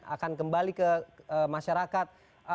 akan kembali ke masyarakat